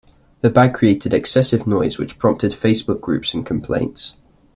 The bag created excessive noise, which prompted Facebook groups and complaints.